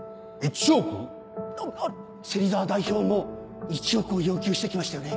芹沢代表も１億を要求してきましたよね。